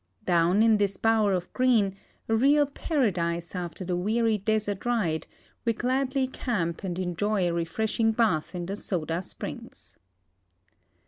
Down in this bower of green, a real paradise after the wear\^ desert ride, we gladly camp and enjoy a refreshing bath in the soda springs.